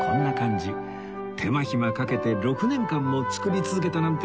手間暇かけて６年間も作り続けたなんて